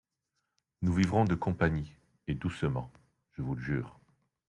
Nous vivrons de compagnie, et doucement, je vous le jure.